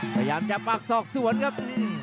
พยายามจะปากศอกสวนครับ